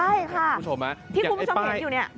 ใช่ค่ะที่คุณผู้ชมเห็นอยู่นี่